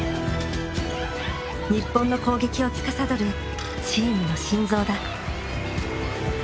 日本の攻撃をつかさどるチームの心臓だ。